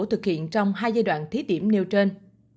thực hiện trong hai giai đoạn thí điểm nêu trên